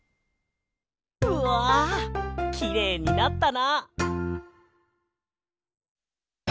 うわきれいになったな！